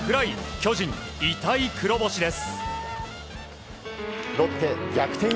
巨人、痛い黒星です。